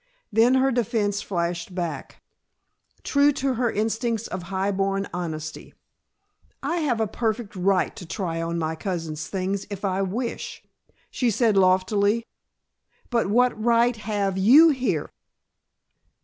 Then her defense flashed back, true to her instincts of high born honesty. "I have a perfect right to try on my cousin's things if I wish," she said loftily. "But what right have you here?"